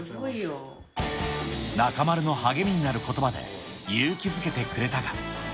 中丸の励みになることばで、勇気づけてくれたが。